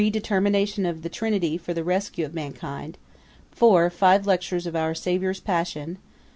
Determination of the Trinity for the rescue of mankind. 4. Five lectures of our Saviour's passion.